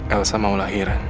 elsa mau lahiran